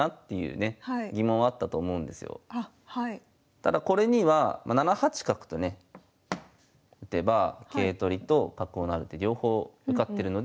ただこれには７八角とね打てば桂取りと角を成る手両方受かってるので。